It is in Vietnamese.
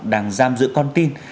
đang giam giữ con tin